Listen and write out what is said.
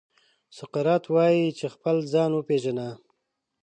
سقراط وايي چې خپل ځان وپېژنه.